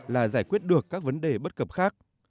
là giải quyết được các vấn đề bất cập khác